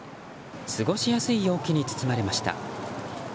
過ごしやすい陽気に包まれました。